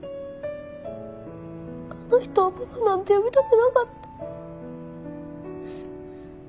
あの人をパパなんて呼びたくなかった。